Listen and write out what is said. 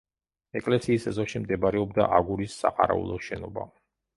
ეკლესიის ეზოში მდებარეობდა აგურის საყარაულო შენობა.